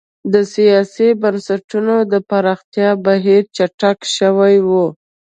د سیاسي بنسټونو د پراختیا بهیر چټک شوی و.